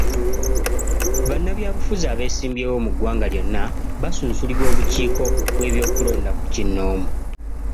Bannabyabufuzi abeesimbyewo mu ggwanga lyonna basunsulibwa obukiiko bw'ebyokulonda kinnoomu.